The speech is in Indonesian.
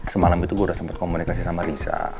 semalam itu gue udah sempet komunikasi sama risa